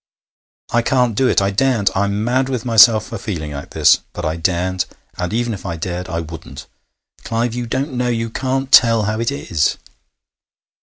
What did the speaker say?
'I can't do it! I daren't! I'm mad with myself for feeling like this, but I daren't! And even if I dared I wouldn't. Clive, you don't know! You can't tell how it is!'